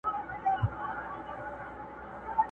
خو هر غوږ نه وي لایق د دې خبرو،